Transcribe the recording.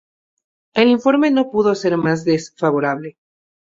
El informe no pudo ser más desfavorable.